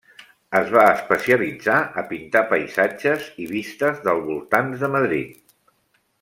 Es va especialitzar a pintar paisatges i vistes dels voltants de Madrid.